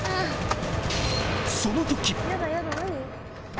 そのとき。